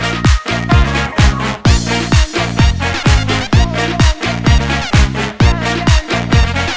ยาว